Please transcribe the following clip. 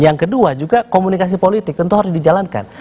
yang kedua juga komunikasi politik tentu harus dijalankan